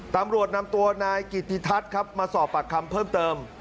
ตำรวจนำตัวนายกิติทัศน์ครับมาสอบปากคำเพิ่มเติม